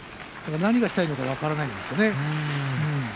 何がしたいのか分からないですね。